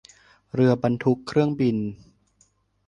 เรือบรรทุกเครื่องบิน